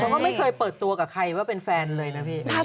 แล้วก็ไม่เคยเปิดตัวกับใครว่าเป็นแฟนเลยนะพี่